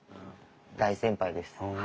大先輩ですはい。